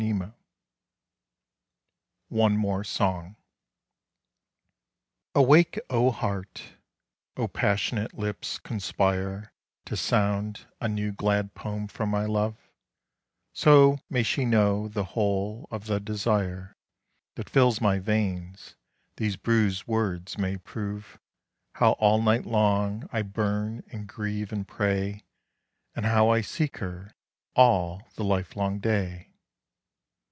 125 ONE MORE SONG AWAKE oh heart ! oh passionate lips conspire To sound a new glad poem for my love, So may she know the whole of the desire That fills my veins, these bruised words may prove How all night long I burn and grieve and pray, And how I seek her all the lifelong day.